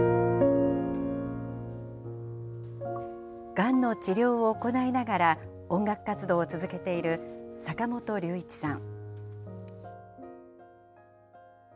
がんの治療を行いながら、音楽活動を続けている坂本龍一さん。